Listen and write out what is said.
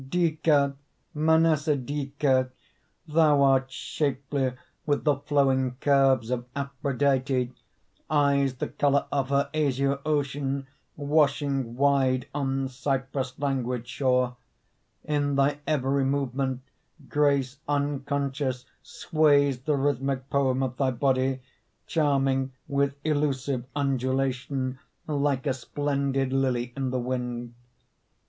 Dica, Mnasidica, thou art shapely With the flowing curves of Aphrodite; Eyes the color of her azure ocean Washing wide on Cyprus' languid shore. In thy every movement grace unconscious Sways the rhythmic poem of thy body, Charming with elusive undulation Like a splendid lily in the wind.